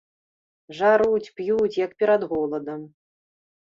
Жаруць, п'юць, як перад голадам.